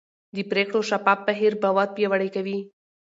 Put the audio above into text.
د پرېکړو شفاف بهیر باور پیاوړی کوي